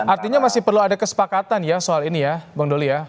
artinya masih perlu ada kesepakatan ya soal ini ya bang doli ya